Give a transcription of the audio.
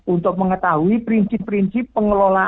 untuk mengetahui prinsip prinsip pengelolaan